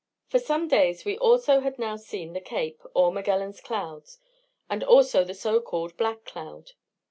For some days also we had now seen the Cape, or Magellan's Clouds, and also the so called Black Cloud.